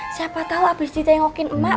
siapa tahu abis ditengokin emak